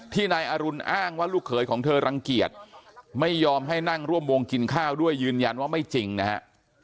นายอรุณอ้างว่าลูกเขยของเธอรังเกียจไม่ยอมให้นั่งร่วมวงกินข้าวด้วยยืนยันว่าไม่จริงนะฮะ